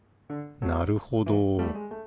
なるほど。